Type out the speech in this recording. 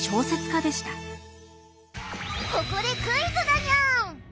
ここでクイズだにゃん！